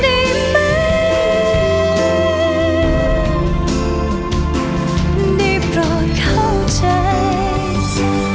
ขอให้เธอโปรดเข้าใจหัวใจของรอ